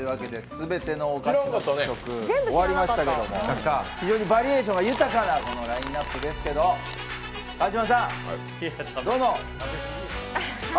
全てのお菓子の試食終わりましたけども非常にバリエーションが豊かなラインナップですが、川島さん、どの？